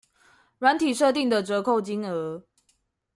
軟體設定的折扣金額